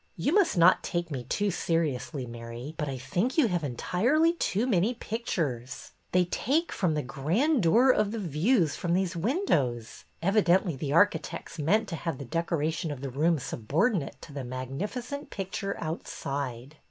You must not take me too seriously, Mary, but I think you have entirely too many pictures. They take from the grandeur of the views from these windows. Evidently the architects meant to have the decoration of the ropm subordinate to the magnificent picture outside."